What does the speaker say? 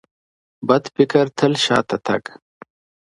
بد فکر تل شاته تګ